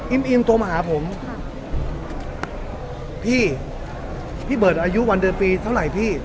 อิ่มอิ่มตัวมาหาผมพี่พี่เบิร์ดอายุวันเดือนปีเท่าไหร่พี่